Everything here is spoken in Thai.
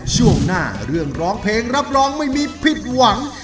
ช่วงหน้าเรื่องร้องเพลงรับรองไม่มีผิดหวัง